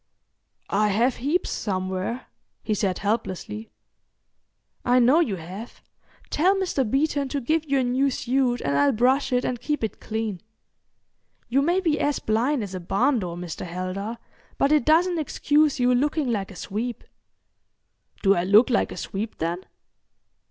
"I have heaps somewhere," he said helplessly. "I know you have. Tell Mr. Beeton to give you a new suit and I'll brush it and keep it clean. You may be as blind as a barn door, Mr. Heldar, but it doesn't excuse you looking like a sweep." "Do I look like a sweep, then?"